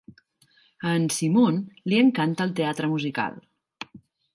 A en Simon li encanta el teatre musical.